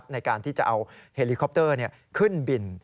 ในการที่จะเอาเฮลิคอปเตอร์ขึ้นบิน